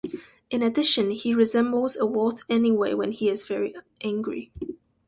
In addition, he resembles a wolf anyway when he is very angry.